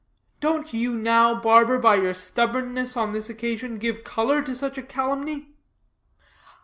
Don't you now, barber, by your stubbornness on this occasion, give color to such a calumny?"